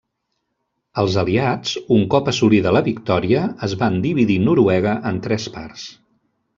Els aliats, un cop assolida la victòria, es van dividir Noruega en tres parts.